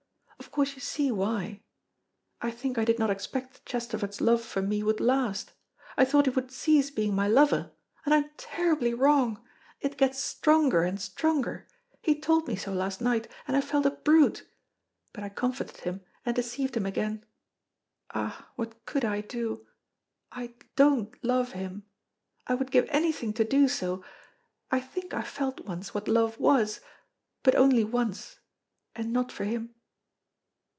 Of course you see why. I think I did not expect that Chesterford's love for me would last. I thought he would cease being my lover, and I am terribly wrong. It gets stronger and stronger. He told me so last night, and I felt a brute. But I comforted him and deceived him again. Ah, what could I do? I don't love him. I would give anything to do so. I think I felt once what love was, but only once, and not for him."